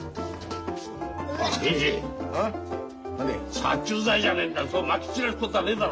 殺虫剤じゃねえんだそうまき散らすこたあねえだろ。